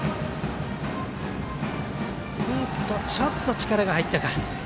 ちょっと力が入ったか。